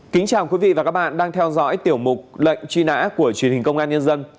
kính chào quý vị và các bạn đang theo dõi tiểu mục lệnh truy nã của truyền hình công an nhân dân